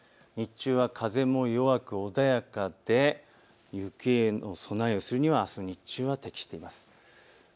日中は風も弱く穏やかで雪への備えをするにはあす日中が適しています。